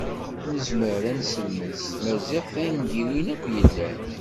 Nezmer ad neselmed s tmaziɣt tangiwin akk yellan.